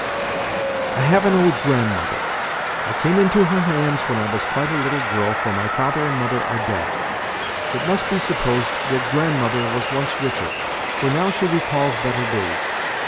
" I have an old grandmother. I came into her hands when I was quite a little girl, for mv^father and jnother are dead. It must be supposed that grandmother was once richer, for now she recalls better days.